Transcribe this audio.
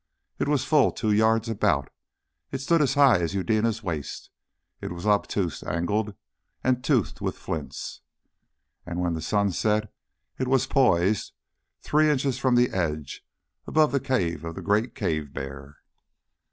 It was full two yards about, it stood as high as Eudena's waist, it was obtuse angled and toothed with flints. And when the sun set it was poised, three inches from the edge, above the cave of the great cave bear.